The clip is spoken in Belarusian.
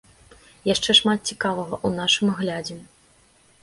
Яшчэ шмат цікавага ў нашым аглядзе.